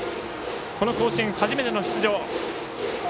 この甲子園初めての出場。